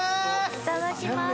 いただきます